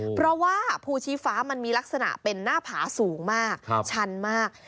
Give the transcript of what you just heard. เพราะว่าภูชีฟ้ามันมีลักษณะเป็นหน้าผาสูงมากชันมาก